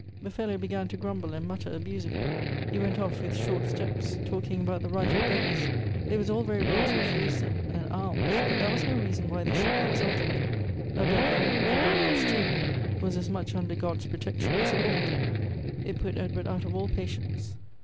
The fellow began to grumble and mutter abusively ; he went off with short steps, talking about the right of beg gai s. It was all very well to refuse them an alms, but that was no reason why they should be insulted. A beg gar, and everybody else too, was as much under God's protection as a lord. It put Edward out of all patience.